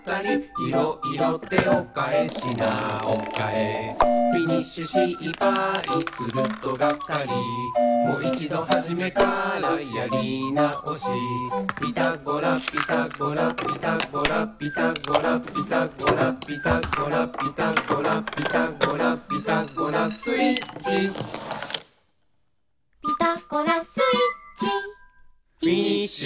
「いろいろ手をかえ品をかえ」「フィニッシュ失敗するとがっかり」「もいちどはじめからやり直し」「ピタゴラピタゴラ」「ピタゴラピタゴラ」「ピタゴラピタゴラ」「ピタゴラピタゴラ」「ピタゴラスイッチ」「ピタゴラスイッチ」「フィニッシュ！」